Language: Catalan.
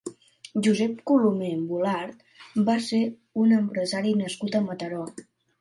Josep Colomer Volart va ser un empresari nascut a Mataró.